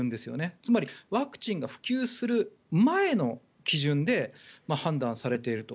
つまりワクチンが普及する前の基準で判断されていると。